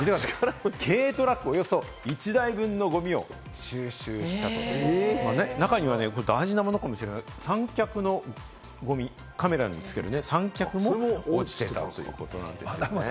軽トラックおよそ１台分のゴミを収集したということ、中には大事なものかもしれない、三脚のゴミ、カメラにつける三脚も落ちていたということなんです。